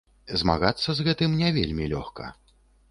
Змагацца з гэтым не вельмі лёгка.